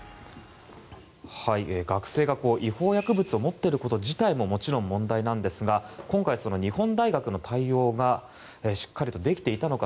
学生が違法薬物を持っていること自体ももちろん問題ですが今回、日本大学の対応がしっかりとできていたのか。